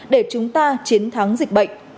để chúng ta chiến thắng dịch bệnh